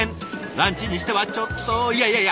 ランチにしてはちょっといやいやいや